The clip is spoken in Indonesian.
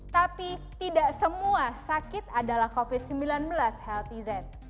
tapi tidak semua sakit adalah covid sembilan belas healthy zen